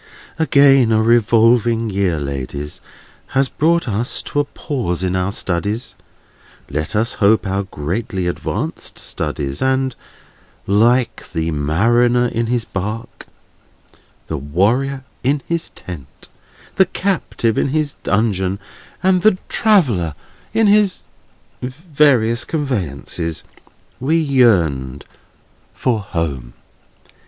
Hem! Again a revolving year, ladies, had brought us to a pause in our studies—let us hope our greatly advanced studies—and, like the mariner in his bark, the warrior in his tent, the captive in his dungeon, and the traveller in his various conveyances, we yearned for home.